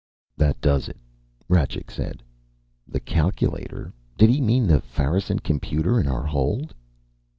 "That does it," Rajcik said. "The calculator? Did he mean the Fahrensen Computer in our hold?"